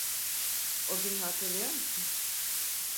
O günü hatırlıyor musun?